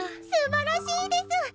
すばらしいデス！